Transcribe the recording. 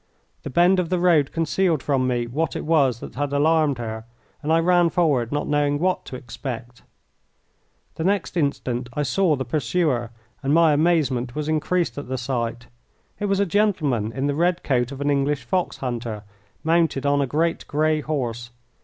The bend of the road concealed from me what it was that had alarmed her, and I ran forward not knowing what to expect. The next instant I saw the pursuer, and my amazement was increased at the sight. It was a gentleman in the red coat of an English fox hunter, mounted on a great grey horse.